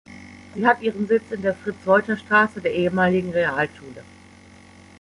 Sie hat ihren Sitz in der Fritz-Reuter-Straße, der ehemaligen Realschule.